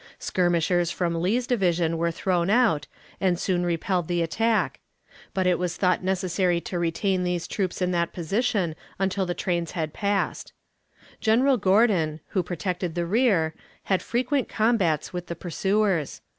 Skirmishers from Lee's division were thrown out, and soon repelled the attack; but it was thought necessary to retain these troops in that position until the trains had passed. General Gordon, who protected the rear, had frequent combats with the pursuers.